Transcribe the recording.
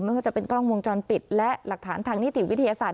ไม่ว่าจะเป็นกล้องวงจรปิดและหลักฐานทางนิติวิทยาศาสตร์